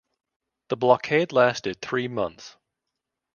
The blockade lasted three months.